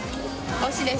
推しです。